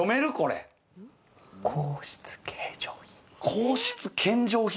皇室献上品。